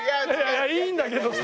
いやいいんだけどさ。